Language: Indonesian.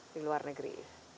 di luar negeri